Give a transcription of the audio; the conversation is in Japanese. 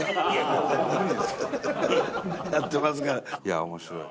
いや面白い。